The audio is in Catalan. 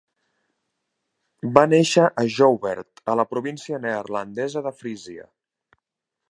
Va néixer a Ljouwert, a la província neerlandesa de Frísia.